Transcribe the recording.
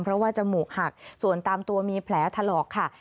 เพราะว่าจมูกหักส่วนตามตัวมีแผลถลอกค่ะ